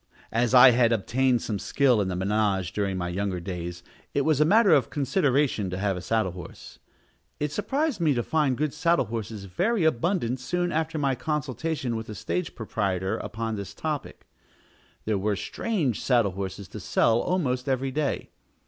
As I had obtained some skill in the manège during my younger days, it was a matter of consideration to have a saddle horse. It surprised me to find good saddle horses very abundant soon after my consultation with the stage proprietor upon this topic. There were strange saddle horses to sell almost every day.